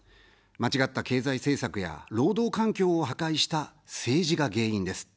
間違った経済政策や労働環境を破壊した政治が原因です。